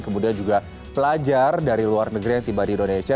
kemudian juga pelajar dari luar negeri yang tiba di indonesia